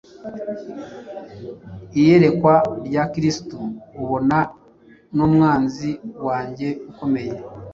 Iyerekwa rya Kristo ubona Numwanzi wanjye ukomeye.